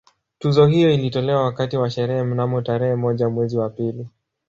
Tuzo hiyo ilitolewa wakati wa sherehe mnamo tarehe moja mwezi wa pili